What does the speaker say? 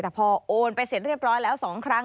แต่พอโอนไปเสร็จเรียบร้อยแล้ว๒ครั้ง